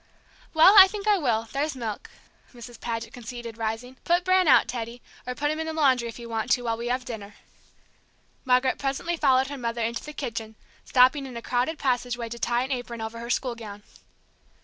"Well, I think I will, there's milk," Mrs. Paget conceded, rising. "Put Bran out, Teddy; or put him in the laundry if you want to, while we have dinner." Margaret presently followed her mother into the kitchen, stopping in a crowded passageway to tie an apron over her school gown.